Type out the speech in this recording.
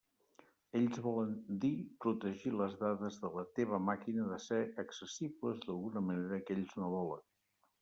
Ells volen dir protegir les dades de la teva màquina de ser accessibles d'alguna manera que ells no volen.